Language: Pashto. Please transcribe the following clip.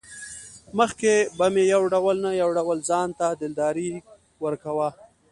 مخکې به مې يو ډول نه يو ډول ځانته دلداري ورکوه.